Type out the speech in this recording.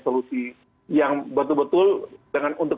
solusi yang betul betul dengan untuk